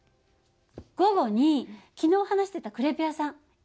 午後に昨日話してたクレープ屋さん行ってみない？